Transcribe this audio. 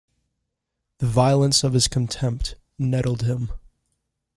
The violence of his contempt nettled him.